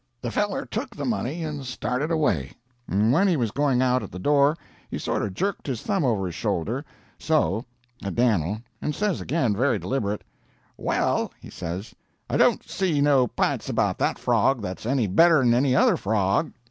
"The feller took the money and started away; and when he was going out at the door, he sorter jerked his thumb over his shoulder so at Dan'l, and says again, very deliberate, 'Well,' he says, 'I don't see no p'ints about that frog that's any better'n any other frog.'